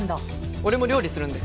俺も料理するんで。